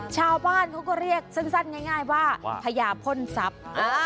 ชาวบ้านเขาก็เรียกสั้นง่ายว่าพญาพ่นทรัพย์